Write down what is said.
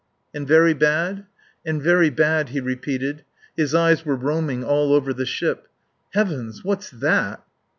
"And very bad?" "And very bad," he repeated. His eyes were roaming all over the ship. "Heavens! What's that?"